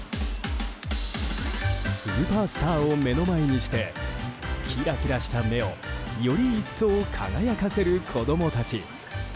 スーパースターを目の前にしてキラキラした目をより一層、輝かせる子供たち。